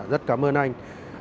rất cảm ơn anh